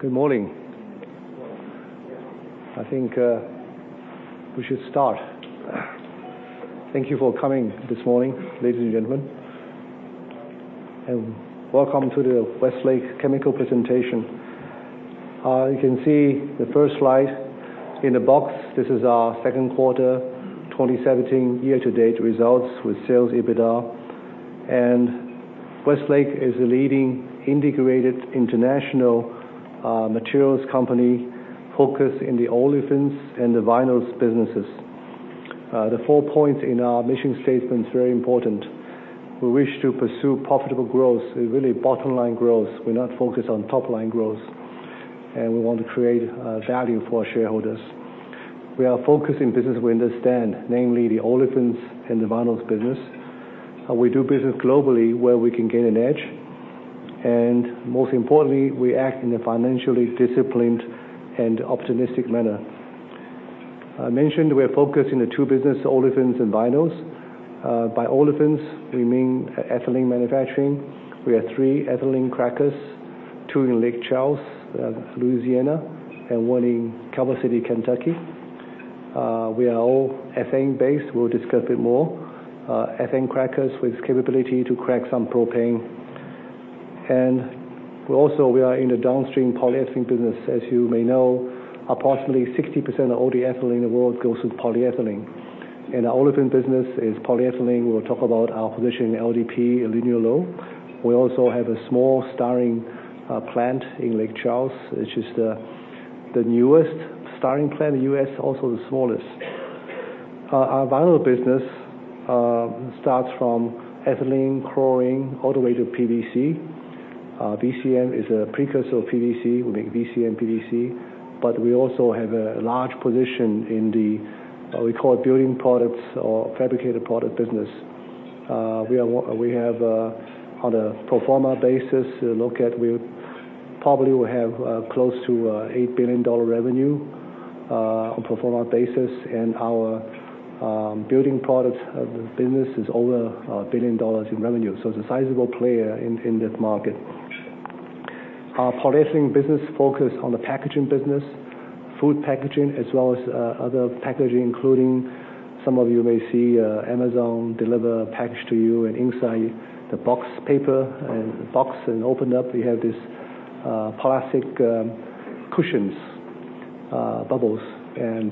Good morning. I think we should start. Thank you for coming this morning, ladies and gentlemen, and welcome to the Westlake Chemical presentation. You can see the first slide in the box. This is our 2Q 2017 year-to-date results with sales EBITDA. Westlake is a leading integrated international materials company focused in the olefins and the vinyls businesses. The four points in our mission statement is very important. We wish to pursue profitable growth, really bottom-line growth. We are not focused on top-line growth, and we want to create value for our shareholders. We are focused in business we understand, namely the olefins and the vinyls business. We do business globally where we can gain an edge. Most importantly, we act in a financially disciplined and optimistic manner. I mentioned we are focused in the two business, olefins and vinyls. By olefins, we mean ethylene manufacturing. We have three ethylene crackers, two in Lake Charles, Louisiana, and one in Calvert City, Kentucky. We are all ethane based. We will discuss a bit more. Ethane crackers with capability to crack some propane. Also, we are in the downstream polyethylene business. As you may know, approximately 60% of all the ethylene in the world goes through polyethylene. Our olefin business is polyethylene. We will talk about our position in LDPE, linear low. We also have a small styrene plant in Lake Charles, which is the newest styrene plant in the U.S., also the smallest. Our vinyl business starts from ethylene, chlorine, all the way to PVC. VCM is a precursor of PVC. We make VCM, PVC, we also have a large position in the, we call it building products or fabricated product business. We have, on a pro forma basis, look at we probably will have close to a $8 billion revenue, on pro forma basis, our building products business is over $1 billion in revenue. So it is a sizable player in this market. Our polyethylene business focus on the packaging business, food packaging, as well as other packaging, including some of you may see Amazon deliver a package to you, inside the box, paper, the box, open up, you have these plastic cushions, bubbles,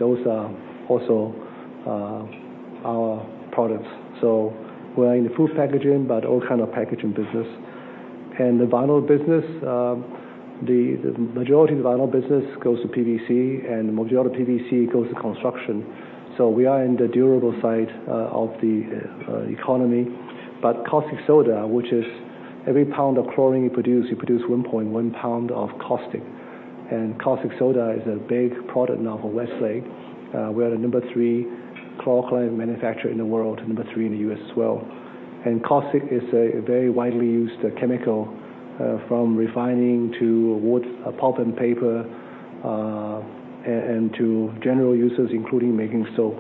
those are also our products. So we are in the food packaging, all kind of packaging business. The vinyl business, the majority of the vinyl business goes to PVC, the majority of PVC goes to construction. So we are in the durable side of the economy. Caustic soda, which is every pound of chlorine you produce, you produce 1.1 pound of caustic. Caustic soda is a big product now for Westlake. We are the number 3 chlor-alkali manufacturer in the world, number 3 in the U.S. as well. Caustic is a very widely used chemical, from refining to wood, pulp, paper, to general uses, including making soap.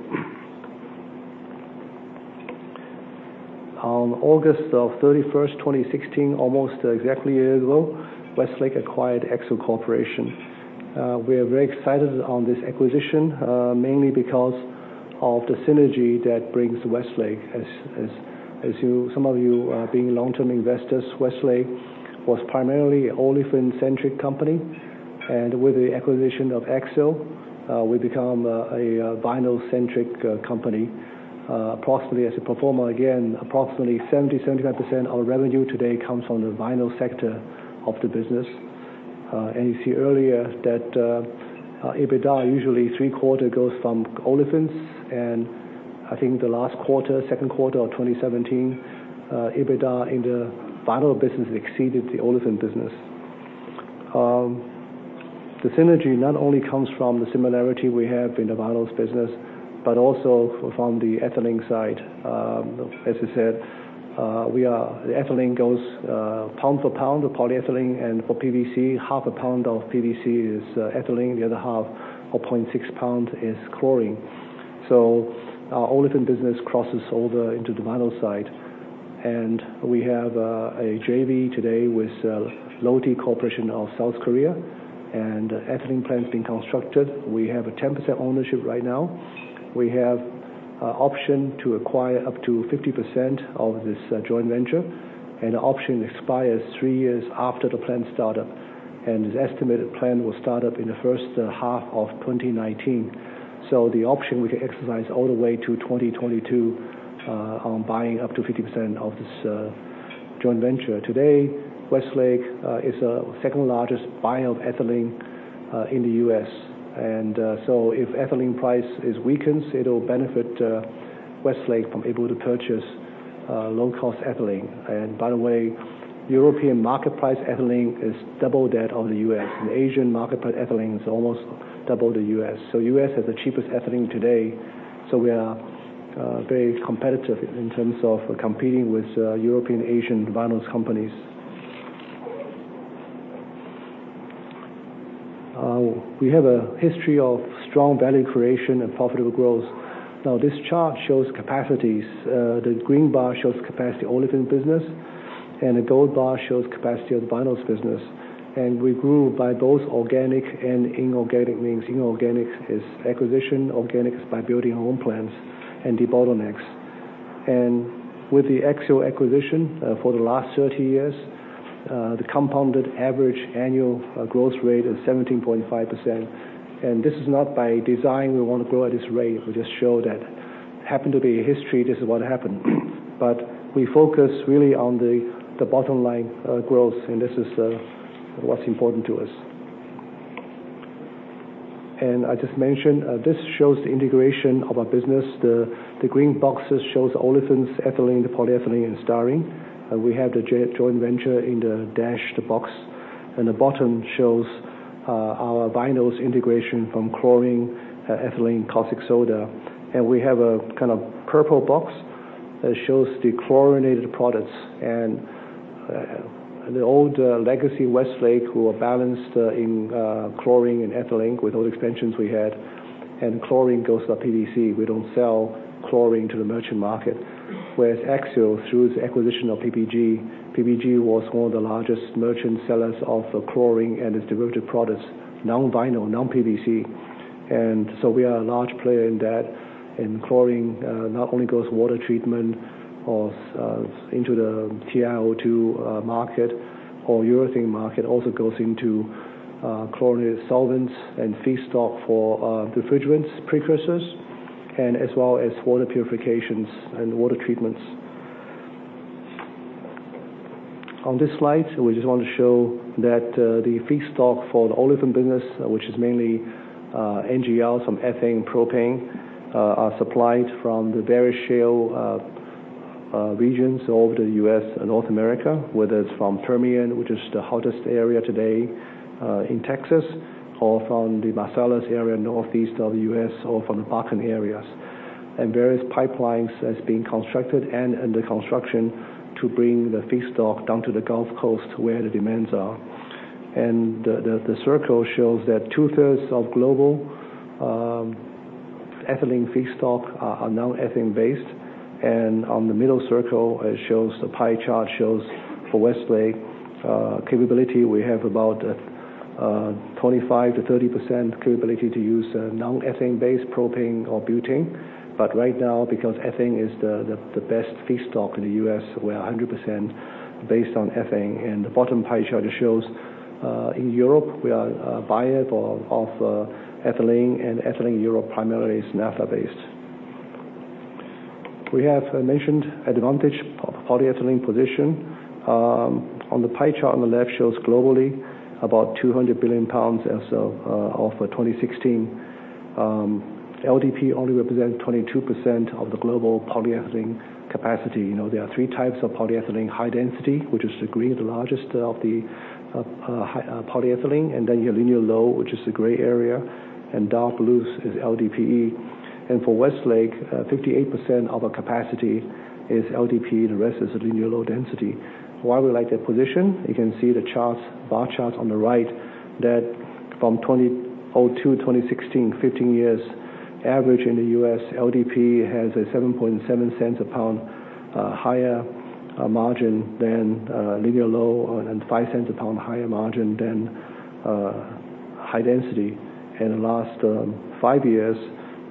On August 31st, 2016, almost exactly a year ago, Westlake acquired Axiall Corporation. We are very excited on this acquisition, mainly because of the synergy that brings Westlake. As some of you, being long-term investors, Westlake was primarily olefin-centric company. With the acquisition of Axiall, we become a vinyl-centric company. Approximately as a pro forma, again, approximately 70%-75% our revenue today comes from the vinyl sector of the business. You see earlier that EBITDA, usually three quarter goes from olefins, and I think the last quarter, second quarter of 2017, EBITDA in the vinyl business exceeded the olefin business. The synergy not only comes from the similarity we have in the vinyls business, but also from the ethylene side. As I said, the ethylene goes pound for pound with polyethylene and for PVC. Half a pound of PVC is ethylene, the other half, or 0.6 pound, is chlorine. Our olefin business crosses over into the vinyl side. We have a JV today with Lotte Corporation of South Korea, and ethylene plant is being constructed. We have a 10% ownership right now. We have option to acquire up to 50% of this joint venture, and the option expires three years after the plant start up. The estimated plant will start up in the first half of 2019. The option we can exercise all the way to 2022, on buying up to 50% of this joint venture. Today, Westlake is the second-largest buyer of ethylene in the U.S. If ethylene price is weakened, it will benefit Westlake from able to purchase low-cost ethylene. European market price ethylene is double that of the U.S. Asian market price ethylene is almost double the U.S. U.S. has the cheapest ethylene today, so we are very competitive in terms of competing with European, Asian vinyls companies. We have a history of strong value creation and profitable growth. This chart shows capacities. The green bar shows capacity, olefins business, and the gold bar shows capacity of the vinyls business. We grew by both organic and inorganic means. Inorganic is acquisition, organic is by building our own plants and debottlenecks. With the Axiall acquisition, for the last 30 years, the compounded average annual growth rate is 17.5%. This is not by design, we want to grow at this rate. We just show that happened to be history, this is what happened. We focus really on the bottom line growth, and this is what's important to us. I just mentioned, this shows the integration of our business. The green boxes shows olefins, ethylene, polyethylene, and styrene. We have the joint venture in the dashed box. The bottom shows our vinyls integration from chlorine, ethylene, caustic soda. We have a kind of purple box that shows the chlorinated products. The old legacy, Westlake, who are balanced in chlorine and ethylene with all the expansions we had. Chlorine goes to our PVC. We don't sell chlorine to the merchant market. Whereas Axiall, through its acquisition of PPG was one of the largest merchant sellers of chlorine and its derivative products, non-vinyl, non-PVC. We are a large player in that. Chlorine not only goes water treatment or into the TiO2 market or urethane market, also goes into chlorinated solvents and feedstock for refrigerants, precursors, and as well as water purifications and water treatments. On this slide, we just want to show that the feedstock for the olefins business, which is mainly NGL, some ethane, propane, are supplied from the various shale regions over the U.S. and North America, whether it's from Permian, which is the hottest area today in Texas, or from the Marcellus area, northeast of the U.S., or from the Bakken areas. Various pipelines has been constructed and under construction to bring the feedstock down to the Gulf Coast, where the demands are. The circle shows that two-thirds of global ethylene feedstock are now ethane-based. On the middle circle, the pie chart shows for Westlake capability, we have about 25%-30% capability to use non-ethane-based propane or butane. Right now, because ethane is the best feedstock in the U.S., we are 100% based on ethane. The bottom pie chart shows in Europe, we are a buyer of ethylene, and ethylene in Europe primarily is Naphtha-based. We have mentioned advantage of polyethylene position. On the pie chart on the left shows globally, about 200 billion pounds or so of 2016. LDPE only represent 22% of the global polyethylene capacity. There are 3 types of polyethylene: high density, which is the green, the largest of the polyethylene, and then your linear low, which is the gray area, and dark blue is LDPE. For Westlake, 58% of our capacity is LDPE, the rest is linear low density. Why we like that position? You can see the bar charts on the right, that from 2002 to 2016, 15 years average in the U.S., LDPE has a $0.077 a pound higher margin than linear low and $0.05 a pound higher margin than high density. In the last 5 years,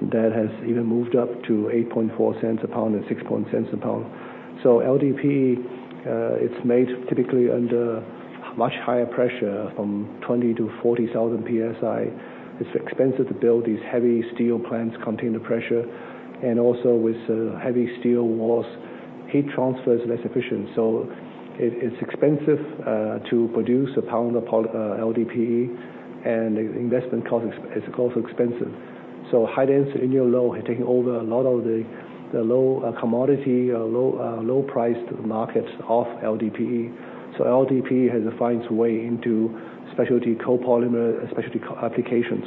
that has even moved up to $0.084 a pound and [$0.0610] a pound. LDPE, it's made typically under much higher pressure from 20,000 to 40,000 PSI. It's expensive to build these heavy steel plants containing the pressure. Also with heavy steel walls, heat transfer is less efficient. It's expensive to produce a pound of LDPE and the investment cost is also expensive. High dense, linear low, have taken over a lot of the low commodity or low price markets of LDPE. LDPE has to find its way into specialty copolymer, specialty applications.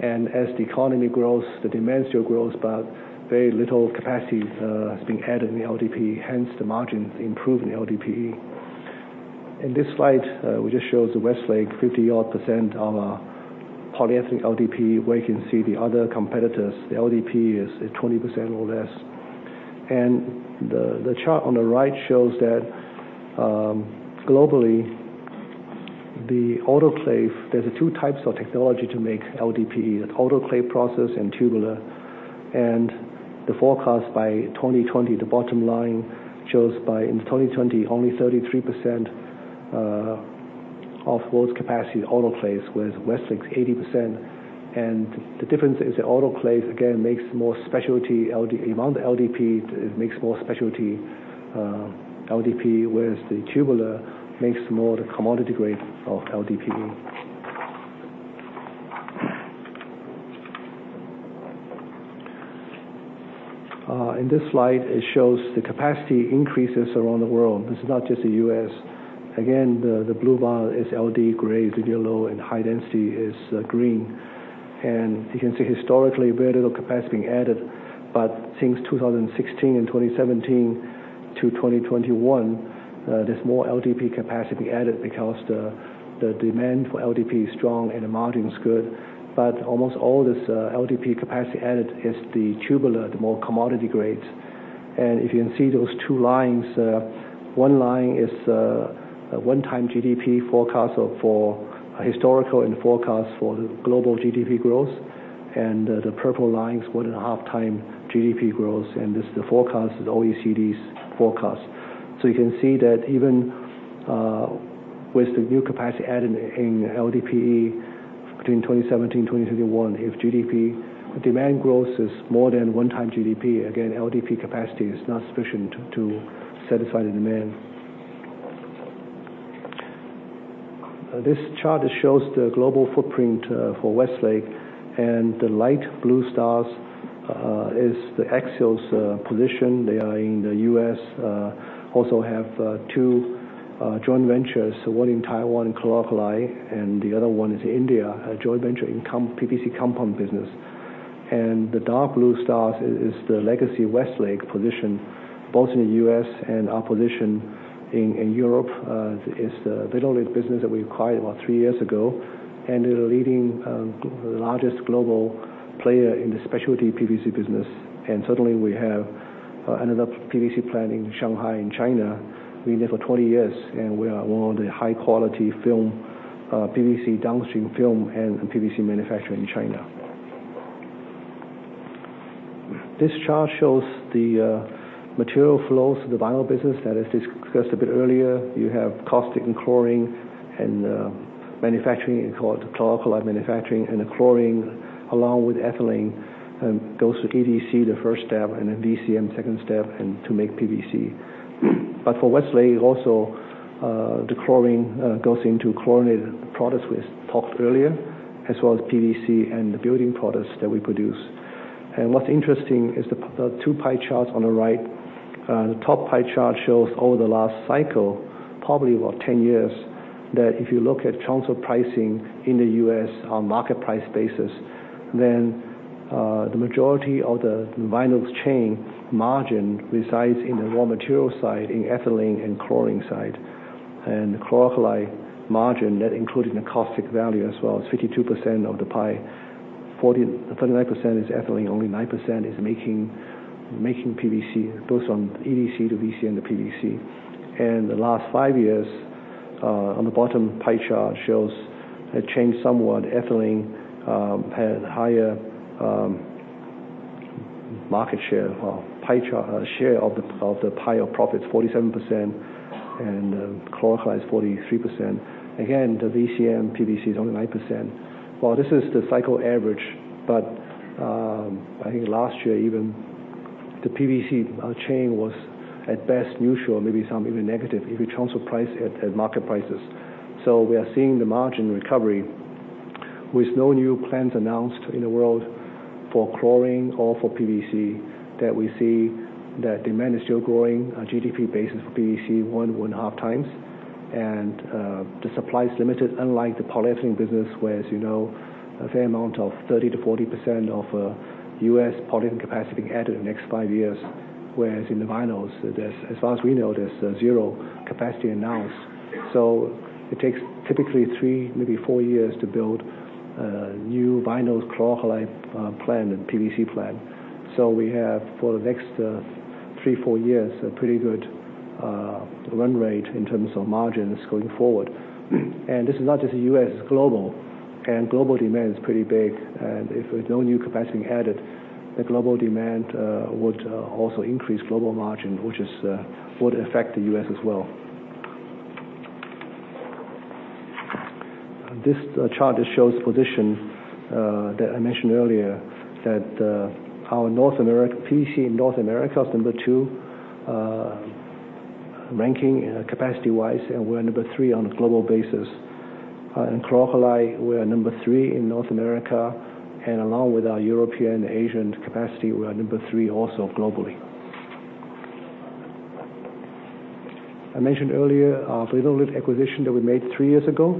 As the economy grows, the demands still grows, but very little capacity has been added in the LDPE, hence the margins improve in the LDPE. In this slide, we just shows the Westlake 50 odd % of our polyethylene LDPE, where you can see the other competitors. The LDPE is at 20% or less. The chart on the right shows that globally, there's 2 types of technology to make LDPE, the autoclave process and tubular. The forecast by 2020, the bottom line shows by in 2020, only 33% of world's capacity is autoclaves, whereas Westlake is 80%. The difference is the autoclave, again, makes more specialty among the LDPE. It makes more specialty LDPE, whereas the tubular makes more the commodity grade of LDPE. In this slide, it shows the capacity increases around the world. This is not just the U.S. Again, the blue bar is LD, gray is linear low, and high density is green. You can see historically very little capacity added, but since 2016 and 2017 to 2021, there's more LDPE capacity added because the demand for LDPE is strong and the margin's good. Almost all this LDPE capacity added is the tubular, the more commodity grade. If you can see those 2 lines, one line is a one-time GDP forecast for historical and forecast for the global GDP growth. The purple line is one and a half time GDP growth, and this is the forecast, the OECD's forecast. You can see that even with the new capacity added in LDPE between 2017 to 2021, if GDP demand growth is more than one time GDP, again, LDPE capacity is not sufficient to satisfy the demand. This chart shows the global footprint for Westlake, and the light blue stars is the Axiall's position. They are in the U.S., also have two joint ventures, one in Taiwan, chlor-alkali, and the other one is India, a joint venture in PVC compound business. The dark blue stars is the legacy Westlake position, both in the U.S. and our position in Europe, is the Vinnolit business that we acquired about three years ago, and they're the leading, largest global player in the specialty PVC business. Certainly, we have another PVC plant in Shanghai, in China. We've been there for 20 years, and we are one of the high-quality PVC downstream film and PVC manufacturer in China. This chart shows the material flows for the vinyl business that is discussed a bit earlier. You have caustic and chlorine and manufacturing, and chlor-alkali manufacturing, and the chlorine, along with ethylene, goes to EDC, the first step, and then VCM, second step, and to make PVC. For Westlake, also the chlorine goes into chlorinated products we talked earlier, as well as PVC and the building products that we produce. What's interesting is the two pie charts on the right. The top pie chart shows over the last cycle, probably about 10 years, that if you look at tons of pricing in the U.S. on market price basis, the majority of the vinyls chain margin resides in the raw material side, in ethylene and chlorine side. The chlor-alkali margin, that including the caustic value as well, is 52% of the pie. 39% is ethylene, only 9% is making PVC, both on EDC, the VCM, the PVC. The last five years, on the bottom pie chart, shows a change somewhat. Ethylene had higher market share, pie chart share of the pie of profits, 47%, and chlor-alkali is 43%. Again, the VCM PVC is only 9%. Well, this is the cycle average, but I think last year even the PVC chain was at best neutral, maybe some even negative, if you transfer price at market prices. We are seeing the margin recovery with no new plans announced in the world for chlorine or for PVC, that we see that demand is still growing on GDP basis for PVC, one and a half times. The supply is limited, unlike the polyethylene business, where as you know, a fair amount of 30%-40% of U.S. polyethylene capacity added in the next five years. Whereas in the vinyls, as far as we know, there's zero capacity announced. It takes typically three, maybe four years to build a new vinyls chlor-alkali plant and PVC plant. We have, for the next three, four years, a pretty good run rate in terms of margins going forward. This is not just the U.S., it's global. Global demand is pretty big. If there's no new capacity added, the global demand would also increase global margin, which would affect the U.S. as well. This chart just shows position that I mentioned earlier, that our PVC in North America is number 2 ranking capacity-wise, and we're number 3 on a global basis. In chlor-alkali, we are number three in North America, and along with our European, Asian capacity, we are number three also globally. I mentioned earlier our Vinnolit acquisition that we made three years ago.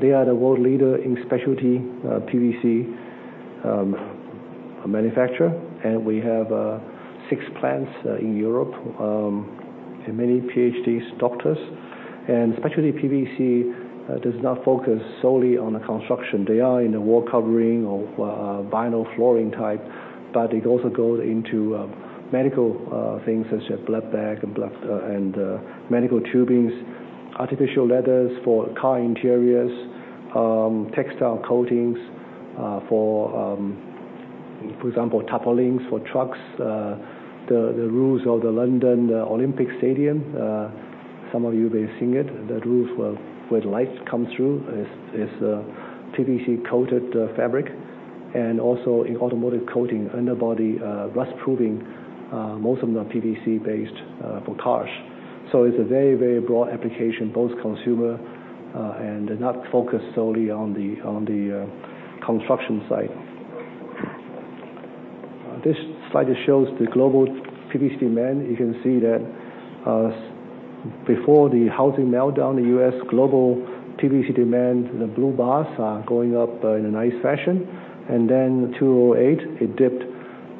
They are the world leader in specialty PVC manufacturer, and we have six plants in Europe, and many PhDs, doctors. And specialty PVC does not focus solely on the construction. They are in the wall covering or vinyl flooring type, but it also goes into medical things such as blood bag and medical tubings, artificial leathers for car interiors, textile coatings for example, tarpaulins for trucks. The roofs of the London Olympic Stadium, some of you may have seen it, that roofs where the lights come through is PVC-coated fabric. And also in automotive coating, underbody rust-proofing, most of them are PVC-based for cars. It's a very broad application, both consumer, and not focused solely on the construction side. This slide shows the global PVC demand. You can see that before the housing meltdown, the U.S. global PVC demand, the blue bars, are going up in a nice fashion. And then 2008, it dipped.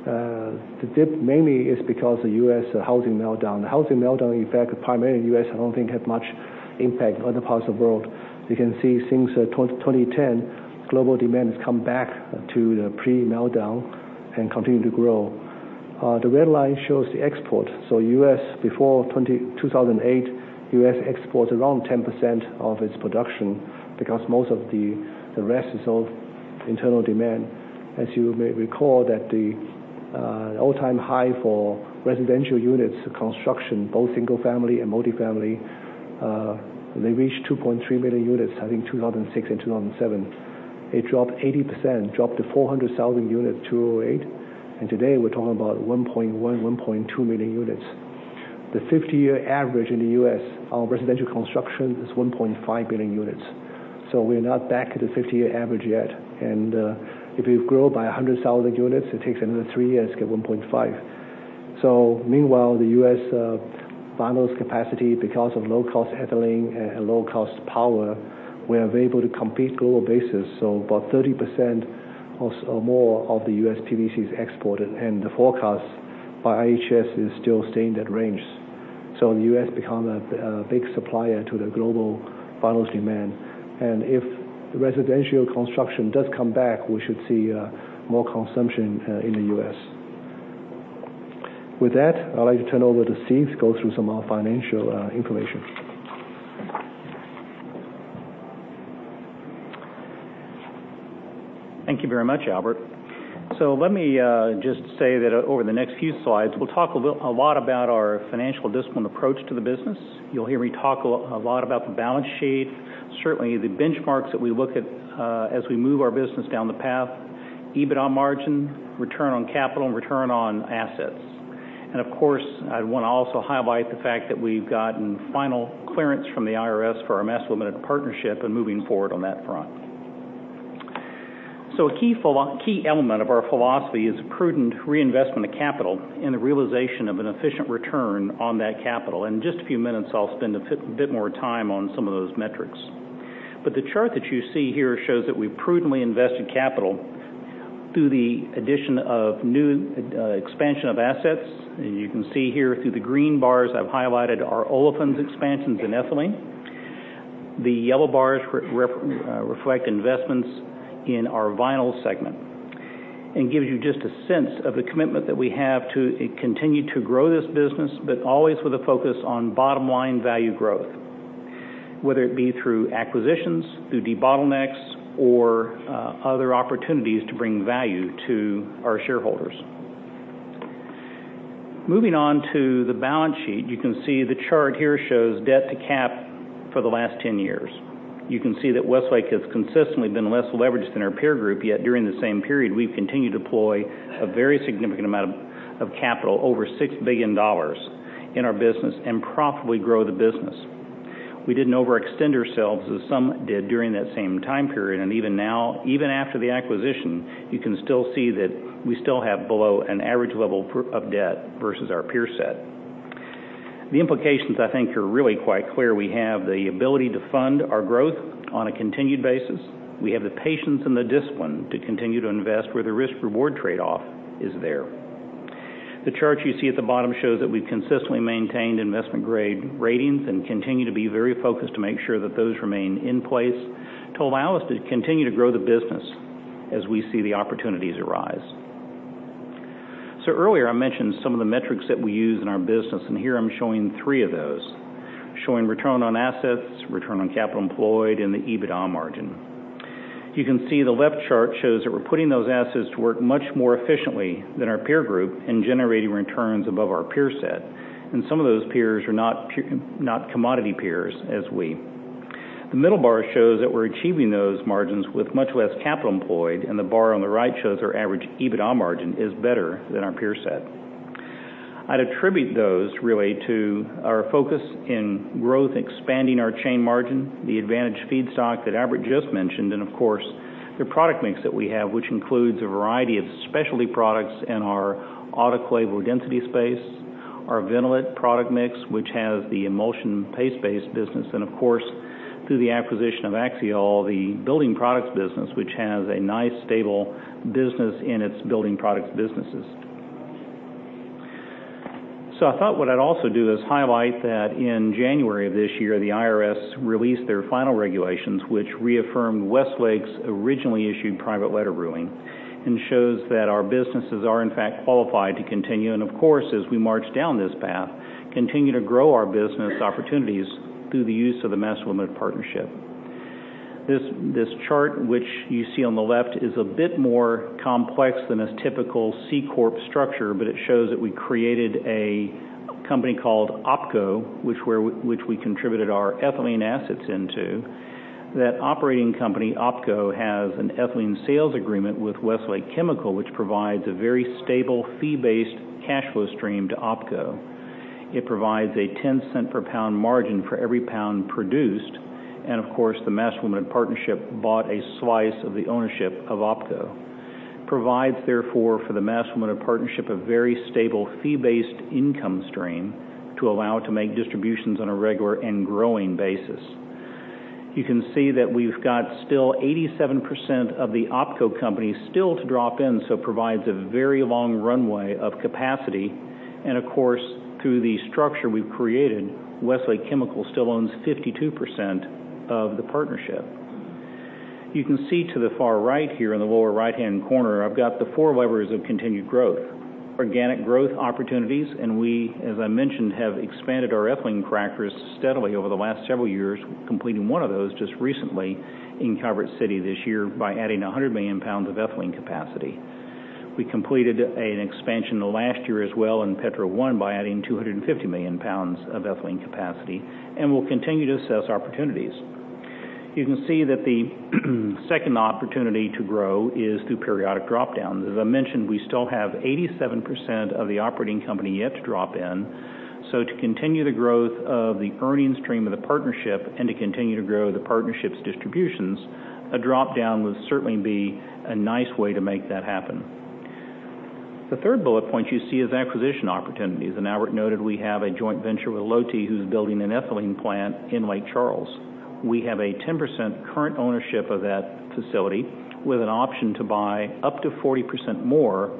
The dip mainly is because of U.S. housing meltdown. The housing meltdown impact primarily in the U.S., I don't think had much impact on other parts of the world. You can see since 2010, global demand has come back to the pre-meltdown and continue to grow. The red line shows the export. U.S. before 2008, U.S. export around 10% of its production because most of the rest is of internal demand. As you may recall that the all-time high for residential units construction, both single-family and multifamily, they reached 2.3 million units, I think 2006 and 2007. It dropped 80%, dropped to 400,000 units, 2008. And today, we're talking about 1.1, 1.2 million units. The 50-year average in the U.S. of residential construction is 1.5 million units. We're not back at the 50-year average yet, and if you grow by 100,000 units, it takes another three years to get 1.5. Meanwhile, the U.S. vinyls capacity, because of low cost ethylene and low cost power, we are able to compete global basis. About 30% or more of the U.S. PVC is exported, and the forecast by IHS is still staying that range. The U.S. become a big supplier to the global vinyls demand. And if the residential construction does come back, we should see more consumption in the U.S. With that, I'd like to turn over to Steve to go through some of our financial information. Thank you very much, Albert. Let me just say that over the next few slides, we'll talk a lot about our financial discipline approach to the business. You'll hear me talk a lot about the balance sheet, certainly the benchmarks that we look at as we move our business down the path, EBITDA margin, return on capital, and return on assets. Of course, I want to also highlight the fact that we've gotten final clearance from the IRS for our master limited partnership and moving forward on that front. A key element of our philosophy is prudent reinvestment of capital and the realization of an efficient return on that capital. In just a few minutes, I'll spend a bit more time on some of those metrics. The chart that you see here shows that we prudently invested capital through the addition of new expansion of assets. You can see here through the green bars I've highlighted our olefins expansions and ethylene. The yellow bars reflect investments in our vinyl segment and gives you just a sense of the commitment that we have to continue to grow this business, but always with a focus on bottom-line value growth, whether it be through acquisitions, through debottlenecks, or other opportunities to bring value to our shareholders. Moving on to the balance sheet, you can see the chart here shows debt to cap for the last 10 years. You can see that Westlake has consistently been less leveraged than our peer group, yet during the same period, we've continued to deploy a very significant amount of capital, over $6 billion, in our business, and profitably grow the business. We didn't overextend ourselves as some did during that same time period. Even now, even after the acquisition, you can still see that we still have below an average level of debt versus our peer set. The implications, I think, are really quite clear. We have the ability to fund our growth on a continued basis. We have the patience and the discipline to continue to invest where the risk-reward trade-off is there. The chart you see at the bottom shows that we've consistently maintained investment-grade ratings and continue to be very focused to make sure that those remain in place to allow us to continue to grow the business as we see the opportunities arise. Earlier, I mentioned some of the metrics that we use in our business, and here I'm showing three of those, showing return on assets, return on capital employed, and the EBITDA margin. You can see the left chart shows that we're putting those assets to work much more efficiently than our peer group and generating returns above our peer set. Some of those peers are not commodity peers as we. The middle bar shows that we're achieving those margins with much less capital employed, and the bar on the right shows our average EBITDA margin is better than our peer set. I'd attribute those really to our focus in growth, expanding our chain margin, the advantage feedstock that Albert just mentioned, and of course, the product mix that we have, which includes a variety of specialty products in our autoclave low density space, our Vinnolit product mix, which has the emulsion paste-based business, and of course, through the acquisition of Axiall, the building products business, which has a nice, stable business in its building products businesses. I thought what I'd also do is highlight that in January of this year, the IRS released their final regulations, which reaffirmed Westlake's originally issued private letter ruling and shows that our businesses are in fact qualified to continue and, of course, as we march down this path, continue to grow our business opportunities through the use of the master limited partnership. This chart, which you see on the left, is a bit more complex than a typical C corp structure, but it shows that we created a company called OpCo, which we contributed our ethylene assets into. That operating company, OpCo, has an ethylene sales agreement with Westlake Chemical, which provides a very stable fee-based cash flow stream to OpCo. It provides a $0.10 per pound margin for every pound produced. Of course, the master limited partnership bought a slice of the ownership of OpCo. Provides, therefore, for the master limited partnership, a very stable fee-based income stream to allow it to make distributions on a regular and growing basis. You can see that we've got still 87% of the OpCo company still to drop in, so provides a very long runway of capacity. Of course, through the structure we've created, Westlake Chemical still owns 52% of the partnership. You can see to the far right here in the lower right-hand corner, I've got the four levers of continued growth. Organic growth opportunities, we, as I mentioned, have expanded our ethylene crackers steadily over the last several years, completing one of those just recently in Calvert City this year by adding 100 million pounds of ethylene capacity. We completed an expansion last year as well in Petro 1 by adding 250 million pounds of ethylene capacity, we'll continue to assess opportunities. You can see that the second opportunity to grow is through periodic drop-downs. As I mentioned, we still have 87% of the operating company yet to drop in. To continue the growth of the earnings stream of the partnership and to continue to grow the partnership's distributions, a drop-down would certainly be a nice way to make that happen. The third bullet point you see is acquisition opportunities. Albert noted we have a joint venture with Lotte, who's building an ethylene plant in Lake Charles. We have a 10% current ownership of that facility with an option to buy up to 40% more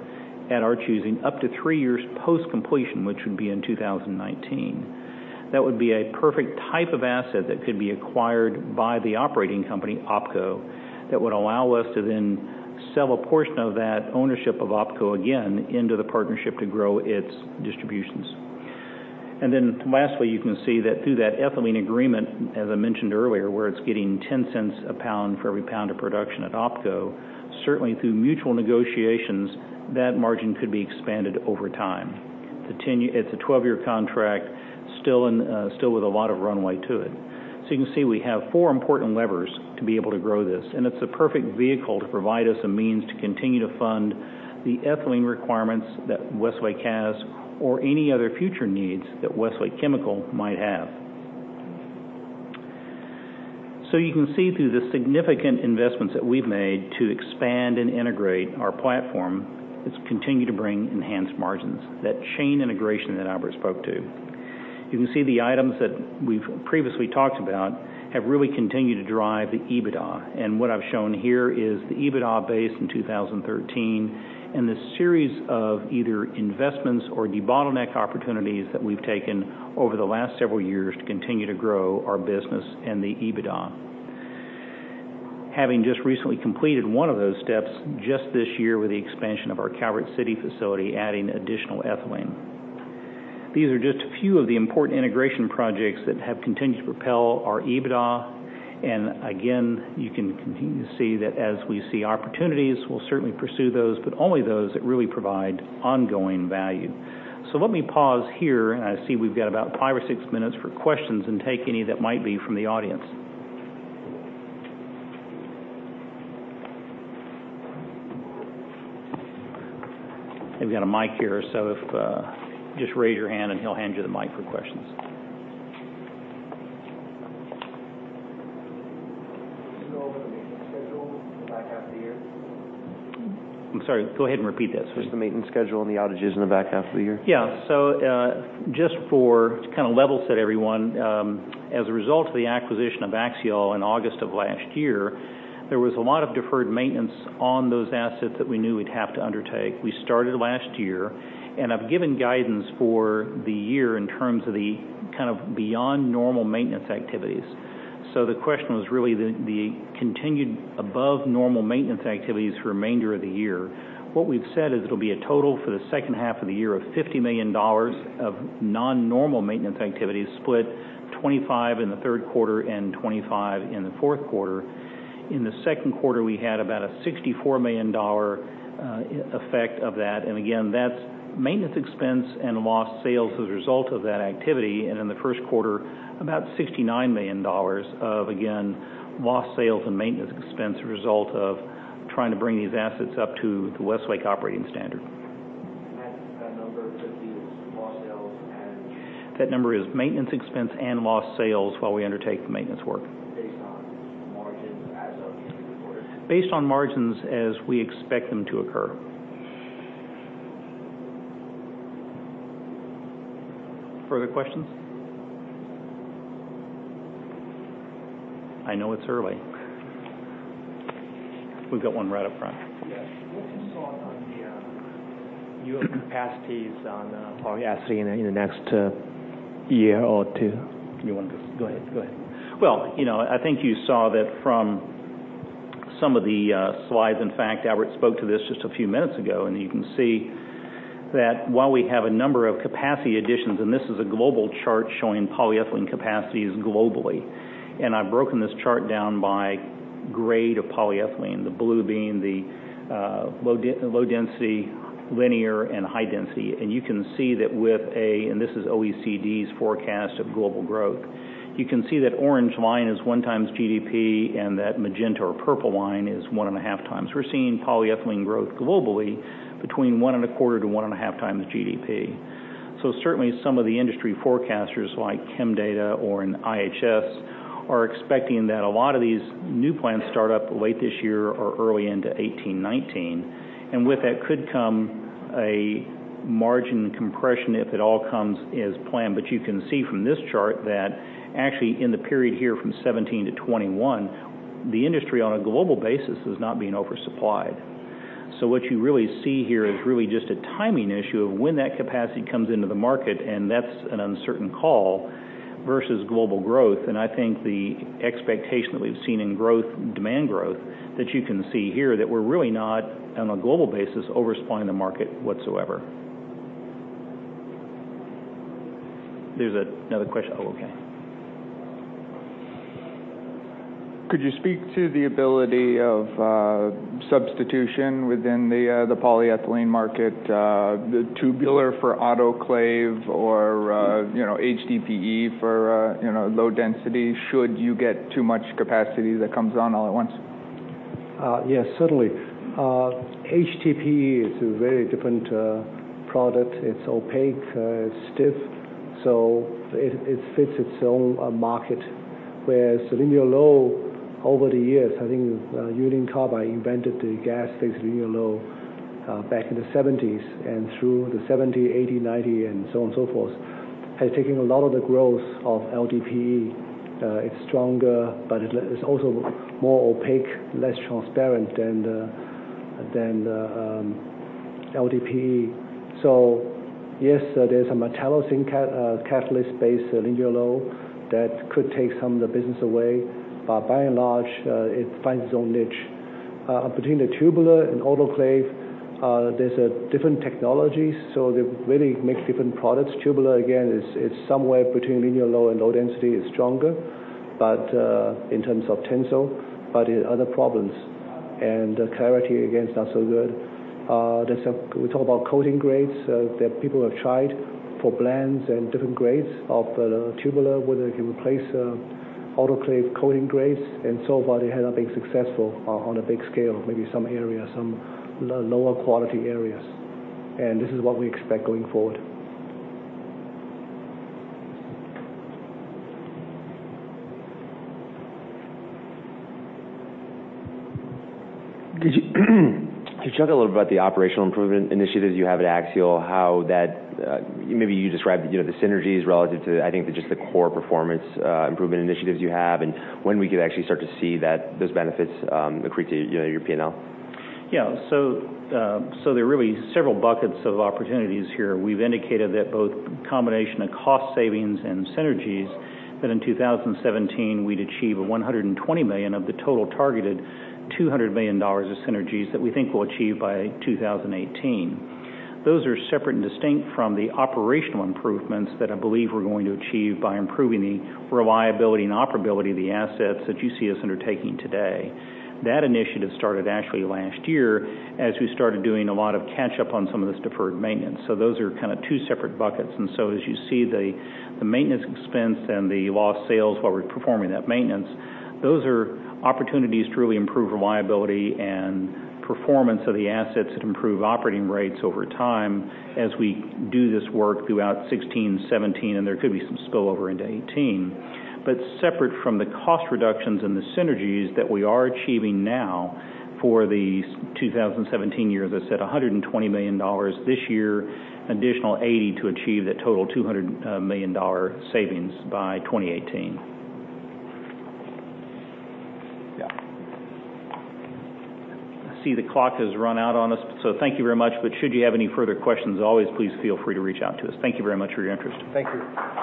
at our choosing up to three years post-completion, which would be in 2019. That would be a perfect type of asset that could be acquired by the operating company, OpCo, that would allow us to then sell a portion of that ownership of OpCo again into the partnership to grow its distributions. Lastly, you can see that through that ethylene agreement, as I mentioned earlier, where it's getting $0.10 a pound for every pound of production at OpCo, certainly through mutual negotiations, that margin could be expanded over time. It's a 12-year contract, still with a lot of runway to it. You can see we have four important levers to be able to grow this, and it's the perfect vehicle to provide us a means to continue to fund the ethylene requirements that Westlake has or any other future needs that Westlake Chemical might have. You can see through the significant investments that we've made to expand and integrate our platform, it's continued to bring enhanced margins. That chain integration that Albert spoke to. You can see the items that we've previously talked about have really continued to drive the EBITDA. What I've shown here is the EBITDA base in 2013 and the series of either investments or debottleneck opportunities that we've taken over the last several years to continue to grow our business and the EBITDA. Having just recently completed one of those steps just this year with the expansion of our Calvert City facility, adding additional ethylene. These are just a few of the important integration projects that have continued to propel our EBITDA, again, you can continue to see that as we see opportunities, we'll certainly pursue those, but only those that really provide ongoing value. Let me pause here, and I see we've got about five or six minutes for questions, and take any that might be from the audience. We've got a mic here, so if just raise your hand, and he'll hand you the mic for questions. Can you go over the maintenance schedule for the back half of the year? I'm sorry, go ahead and repeat that. Sure. Just the maintenance schedule and the outages in the back half of the year. Just to kind of level set everyone, as a result of the acquisition of Axiall in August of last year, there was a lot of deferred maintenance on those assets that we knew we'd have to undertake. We started last year, and I've given guidance for the year in terms of the kind of beyond normal maintenance activities. The question was really the continued above normal maintenance activities for the remainder of the year. What we've said is it'll be a total for the second half of the year of $50 million of non-normal maintenance activities, split 25 in the third quarter and 25 in the fourth quarter. In the second quarter, we had about a $64 million effect of that. Again, that's maintenance expense and lost sales as a result of that activity. In the first quarter, about $69 million of, again, lost sales and maintenance expense result of trying to bring these assets up to the Westlake operating standard. That number could be lost sales and? That number is maintenance expense and lost sales while we undertake the maintenance work. Based on margins as of the end of the quarter? Based on margins as we expect them to occur. Further questions? I know it's early. We've got one right up front. Yes. What's your thought on your capacities on polyethylene in the next year or two? Go ahead. Well, I think you saw that from some of the slides, in fact, Albert spoke to this just a few minutes ago. You can see that while we have a number of capacity additions, this is a global chart showing polyethylene capacities globally. I've broken this chart down by grade of polyethylene, the blue being the low density linear and high density. You can see that with this is OECD's forecast of global growth. You can see that orange line is one times GDP, and that magenta or purple line is one and a half times. We're seeing polyethylene growth globally Between one and a quarter to one and a half times GDP. Certainly, some of the industry forecasters like ChemData or IHS are expecting that a lot of these new plants start up late this year or early into 2018, 2019, and with that could come a margin compression if it all comes as planned. You can see from this chart that actually in the period here from 2017 to 2021, the industry on a global basis has not been oversupplied. What you really see here is really just a timing issue of when that capacity comes into the market, and that's an uncertain call versus global growth. I think the expectation that we've seen in demand growth that you can see here, that we're really not, on a global basis, oversupplying the market whatsoever. There's another question? Oh, okay. Could you speak to the ability of substitution within the polyethylene market, the tubular for autoclave or HDPE for low density, should you get too much capacity that comes on all at once? Yes, certainly. HDPE is a very different product. It's opaque, it's stiff. It fits its own market. Whereas linear low, over the years, I think Union Carbide invented the gas phase linear low back in the '70s. Through the '70, '80, '90, and so on and so forth, has taken a lot of the growth of LDPE. It's stronger. It's also more opaque, less transparent than the LDPE. Yes, there's a metallocene catalyst-based linear low that could take some of the business away. By and large, it finds its own niche. Between the tubular and autoclave, there's different technologies. They really make different products. Tubular, again, is somewhere between linear low and low density. It's stronger in terms of tensile. It has other problems, and the clarity, again, is not so good. We talk about coating grades that people have tried for blends and different grades of tubular, whether they can replace autoclave coating grades. So far, they have not been successful on a big scale. Maybe some areas, some lower quality areas. This is what we expect going forward. Could you talk a little about the operational improvement initiatives you have at Axiall? Maybe you described the synergies relative to, I think, just the core performance improvement initiatives you have. When we could actually start to see those benefits accrete to your P&L. Yeah. There are really several buckets of opportunities here. We've indicated that both combination of cost savings and synergies, that in 2017 we'd achieve a $120 million of the total targeted $200 million of synergies that we think we'll achieve by 2018. Those are separate and distinct from the operational improvements that I believe we're going to achieve by improving the reliability and operability of the assets that you see us undertaking today. That initiative started actually last year as we started doing a lot of catch up on some of this deferred maintenance. Those are two separate buckets. As you see, the maintenance expense and the lost sales while we're performing that maintenance, those are opportunities to really improve reliability and performance of the assets that improve operating rates over time as we do this work throughout 2016, 2017, and there could be some spillover into 2018. Separate from the cost reductions and the synergies that we are achieving now for the 2017, as I said, $120 million this year, an additional $80 million to achieve that total $200 million savings by 2018. Yeah. I see the clock has run out on us. Thank you very much. Should you have any further questions, as always, please feel free to reach out to us. Thank you very much for your interest. Thank you.